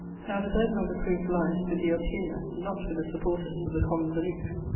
Now the burden of the proof lies with the oppugner, not with the supporters of the common belief.